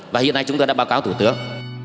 và hiện nay chúng tôi đã báo cáo thủ tướng